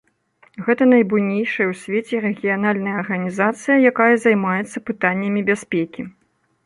Гэта найбуйнейшая ў свеце рэгіянальная арганізацыя, якая займаецца пытаннямі бяспекі.